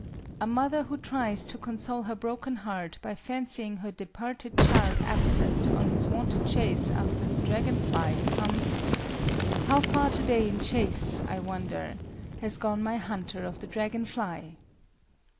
A mother who tries to console her broken heart by fancying her departed child absent on his wonted chase after the dragon fly, hums, "How far to day in chase, I wonder, Has gone my hunter of the dragon fly!"